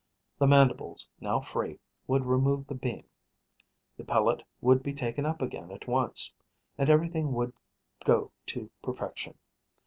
The mandibles, now free, would remove the beam; the pellet would be taken up again at once; and everything would go to perfection.